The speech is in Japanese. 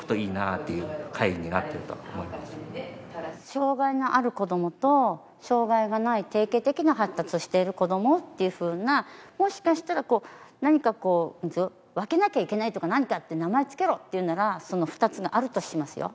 障がいのある子どもと障がいがない定型的な発達をしている子どもっていうふうなもしかしたらこう何かこう分けなきゃいけないとか何かって名前をつけろっていうならその２つがあるとしますよ。